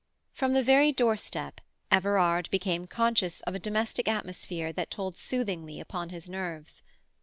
From the very doorstep Everard became conscious of a domestic atmosphere that told soothingly upon his nerves.